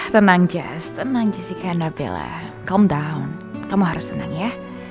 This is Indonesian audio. tenang jess tenang jessica and nabila calm down kamu harus tenang ya